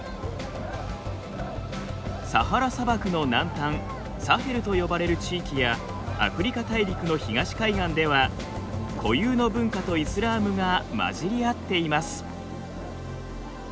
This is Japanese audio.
サハラ砂漠の南端サヘルと呼ばれる地域やアフリカ大陸の東海岸では固有の文化とイスラームが混じり合っています。